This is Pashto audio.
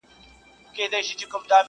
ډیري وژړېدې بوري د زلمیانو پر جنډیو٫